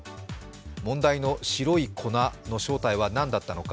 問題の白い粉の正体は何だったのか。